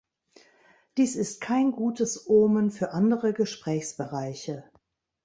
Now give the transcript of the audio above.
Dies ist kein gutes Omen für andere Gesprächsbereiche.